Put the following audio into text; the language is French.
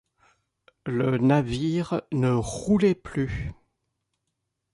Le navire ne roulait plus.